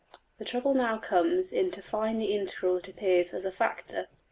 The trouble now comes in to find the integral that appears as a factor.